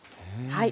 はい。